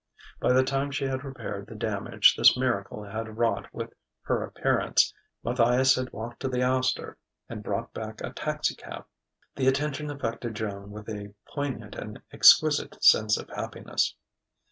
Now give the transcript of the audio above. By the time she had repaired the damage this miracle had wrought with her appearance, Matthias had walked to the Astor and brought back a taxicab. The attention affected Joan with a poignant and exquisite sense of happiness.